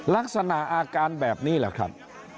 ลักษณะอาการแบบนี้แหละครับ